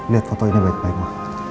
liat foto ini baik baik ma